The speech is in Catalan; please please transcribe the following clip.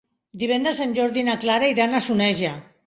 Divendres en Jordi i na Clara iran a Soneja.